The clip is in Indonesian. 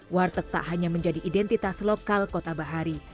warteg tak hanya menjadi identitas lokal kota bahari